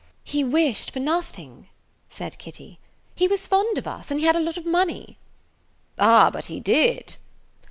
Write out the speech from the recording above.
"He wished for nothing," said Kitty. "He was fond of us, and he had a lot of money." "Ah, but he did!"